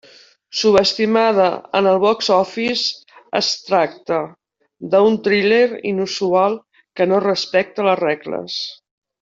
Subestimada en el box-office, es tracta d'un thriller inusual que no respecta les regles.